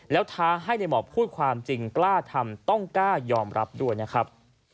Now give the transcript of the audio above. แล้วท้าให้ในหมอบพูดความจริงกล้าทำต้องกล้ายอมรับด้วยนะครับ